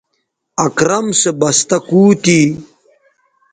اکرم سو بستہ کُو تھی